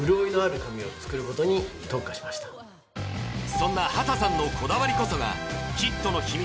そんな波多さんのこだわりこそがヒットの秘密